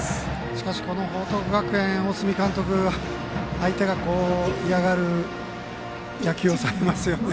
しかし報徳学園大角監督、相手が嫌がる野球をされますよね。